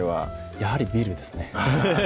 やはりビールですねあぁ